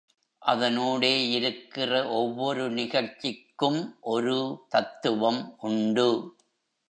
அதனூடே இருக்கிற ஒவ்வொரு நிகழ்ச்சிக்கும் ஒரு தத்துவம் உண்டு.